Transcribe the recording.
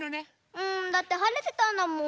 うんだってはれてたんだもん。